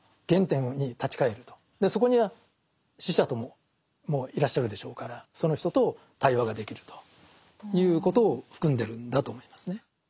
そこには死者ともいらっしゃるでしょうからその人と対話ができるということを含んでるんだと思いますね。